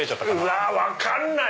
うわ分かんない！